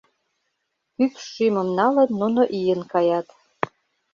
Пӱкш шӱмым налын, нуно ийын каят.